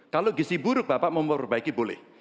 kalau gizi buruk bapak memperbaiki boleh